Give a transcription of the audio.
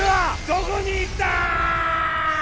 どこに行った！